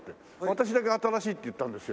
私だけ「新しい」って言ったんですよ。